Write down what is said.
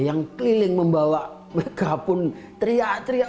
yang keliling membawa mereka pun teriak teriak